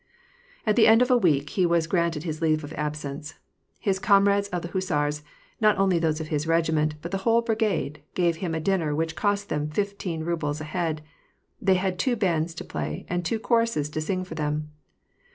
At the end of a week he was granted his leave of absence. His comrades of the hussars, not only those of his regiment, but of the whole brigade, gave him a dinner which cost them fifteen rubles a head : they had two bands to play, and two choruses to sing for them.